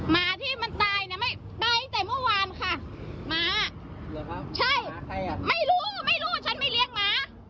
ไม่รู้ไม่รู้ฉันไม่เลี้ยงหมา